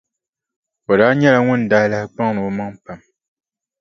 O daa nyɛla ŋun daa lahi kpaŋdi o maŋa pam.